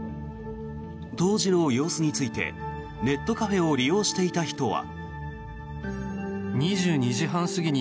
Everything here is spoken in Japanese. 当時の様子についてネットカフェを利用していた人は。